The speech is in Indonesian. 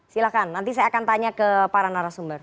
silahkan nanti saya akan tanya ke para narasumber